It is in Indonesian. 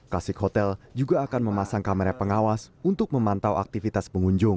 klasik hotel juga akan memasang kamera pengawas untuk memantau aktivitas pengunjung